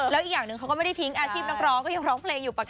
แล้วอีกอย่างหนึ่งเขาก็ไม่ได้ทิ้งอาชีพนักร้องก็ยังร้องเพลงอยู่ปกติ